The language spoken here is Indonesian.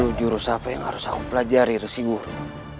lalu jurus apa yang harus aku pelajari resi wuro